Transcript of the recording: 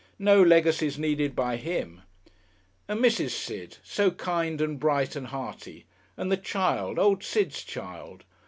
No legacies needed by him! And Mrs. Sid, so kind and bright and hearty! And the child, old Sid's child!